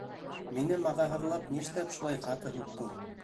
Мине маҙаһыҙлап нишләп шулай ҡаты һуҡтың?